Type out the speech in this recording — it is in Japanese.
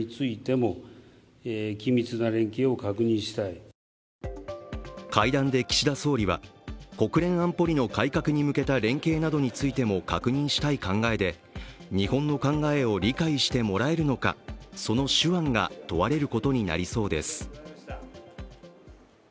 その一方で会談で岸田総理は国連安保理の改革に向けた連携などについても確認したい考えで日本の考えを理解してもらえるのかその手腕が問われることになりそうです。